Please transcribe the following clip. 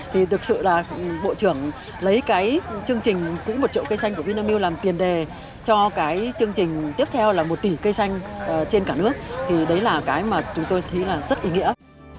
thì thực sự là bộ trưởng lấy cái chương trình cũng một triệu cây xanh của vinamilk làm tiền đề cho cái chương trình tiếp theo là một tỷ cây xanh trên cả nước thì đấy là cái mà chúng tôi thấy là rất ý nghĩa